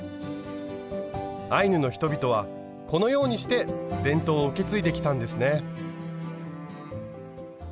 アイヌの人々はこのようにして伝統を受け継いできたんですね。